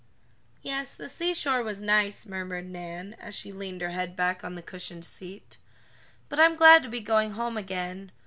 "Yes, the seashore was nice," murmured Nan, as she leaned her head back on the cushioned seat, "but I'm glad to be going home again.